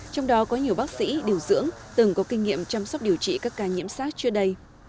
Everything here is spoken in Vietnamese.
trong đó có nhiều bác sĩ điều dưỡng từng có kinh nghiệm chăm sóc điều trị các ca nhiễm sát chưa đầy